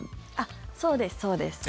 そうです、そうです。